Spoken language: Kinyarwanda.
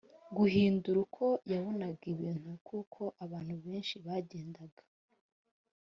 guhindura uko yabonaga ibintu kuko abantu benshi bagendaga